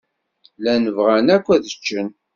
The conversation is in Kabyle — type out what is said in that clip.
Llan bɣan akk ad ččen.